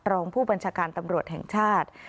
รองผู้บัญชาการตำรวจแห่งชาติ